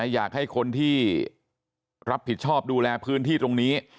อยากให้คนที่รับผิดชอบดูแลพื้นที่ตรงนี้